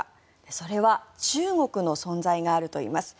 それは中国の存在があるといいます。